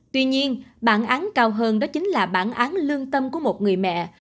tuy nhiên bản án cao hơn đó chính là bản án lương tâm của một người mẹ